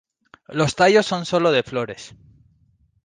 Los tallos son solo de flores.